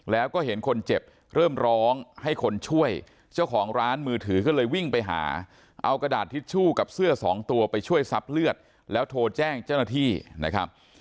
แล้วก็เห็นคนเจ็บเริ่มร้องให้คนช่วยเจ้าของร้านมือถือก็เลยวิ่งไปหาเอากระดาษทิชชู่กับเสื้อสองตัวไปช่วยซับเลือดแล้วโทรแจ้งเจ้าหน้าที่นะครับ